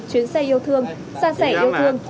chuyến xe yêu thương sang sẻ yêu thương